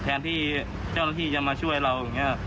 แทนที่เจ้าหน้าที่จะมาช่วยเรา